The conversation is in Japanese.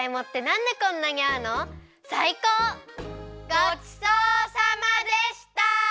ごちそうさまでした！